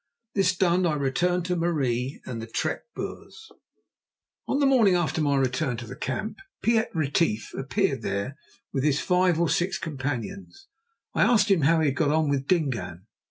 This done, I returned to Marie and the trek Boers. On the morning after my return to the camp Piet Retief appeared there with his five or six companions. I asked him how he had got on with Dingaan.